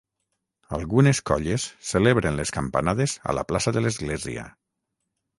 Algunes colles celebren les campanades a la plaça de l'església.